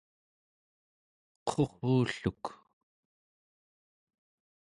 qurrulluk